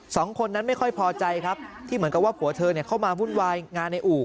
สองคนนั้นไม่ค่อยพอใจครับที่เหมือนกับว่าผัวเธอเข้ามาวุ่นวายงานในอู่